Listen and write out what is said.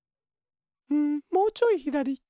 うんもうちょいひだり。